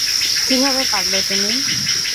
কীভাবে পারলে তুমি?